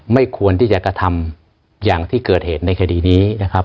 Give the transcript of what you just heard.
ไม่ควรที่จะกระทำอย่างที่เกิดเหตุในคดีนี้นะครับ